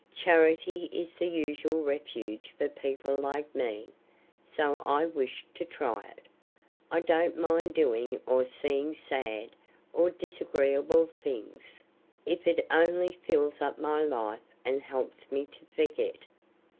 Charity is the usual refuge for people like me, so I wish to try it. I don't mind doing or seeing sad or disagreeable things, if it only fills up my life and helps me to forget."